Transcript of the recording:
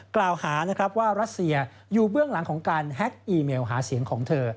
กล่าวหานะครับว่ารัสเซียอยู่เบื้องหลังของการแฮ็กอีเมลหาเสียงของเธอ